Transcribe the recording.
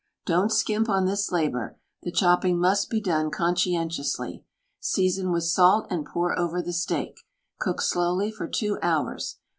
Don't, skimp on this WRITTEN FOR MEN BY MEN labor ; the chopping must be done conscientiously. Season with salt and pour over the steak; cook slowly for two hours.